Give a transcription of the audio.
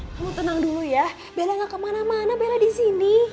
halo tenang dulu ya bella gak kemana mana bella di sini